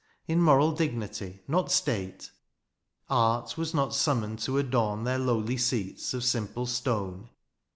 In moral dignity, not state ; Art was not summoned to adorn Their lowly seats of simple stone.